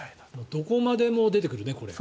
どこまでも出てくるねこれ。